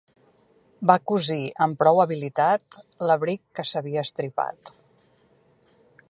Va cosir amb prou habilitat l'abric que s'havia estripat.